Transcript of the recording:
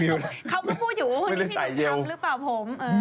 เขาเพิ่งพูดอยู่ว่าพวกนี้มีคนทำหรือเปล่าผม